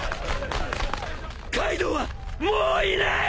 カイドウはもういない！